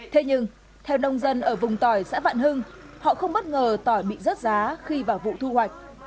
thế nhưng theo nông dân ở vùng tỏi xã vạn hưng họ không bất ngờ tỏi bị rớt giá khi vào vụ thu hoạch